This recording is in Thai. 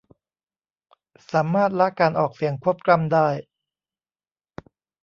สามารถละการออกเสียงควบกล้ำได้